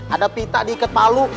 ada pita diikat palu